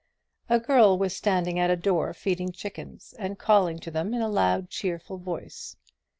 A girl was standing at a door feeding chickens and calling to them in a loud cheerful voice.